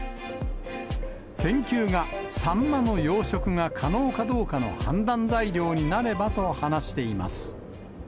研究がサンマの養殖が可能かどうかの判断材料になればと話しています。